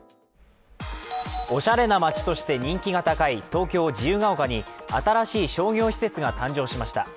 おしゃれな街として任期が高い東京・自由が丘に新しい商業施設が誕生しました。